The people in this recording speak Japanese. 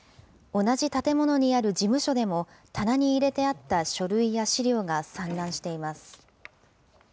同じ建物にある事務所でも、棚に入れてあった書類や資料が散乱しています。